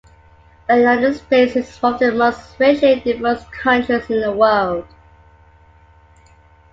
The United States is one of the most racially diverse countries in the world.